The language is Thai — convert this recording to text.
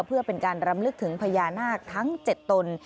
เพื่อเป็นการรำลึกถึงพญานาคทั้ง๗ตน